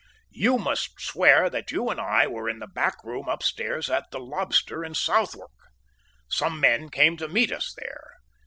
"You must swear that you and I were in a back room upstairs at the Lobster in Southwark. Some men came to meet us there.